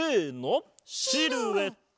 シルエット！